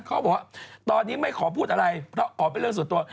เขาบอกว่าตอนนี้ไม่ขอพูดอะไรเพราะขอเป็นเรื่องส่วนตัว